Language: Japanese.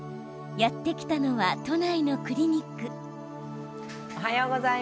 やって来たのは都内のクリニック。